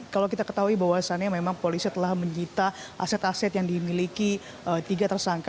kalau kita ketahui bahwasannya memang polisi telah menyita aset aset yang dimiliki tiga tersangka